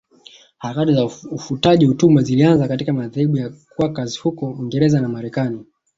Harakati za ufutaji utumwa zilianza katika madhehebu ya Quakers huko Uingereza na Marekani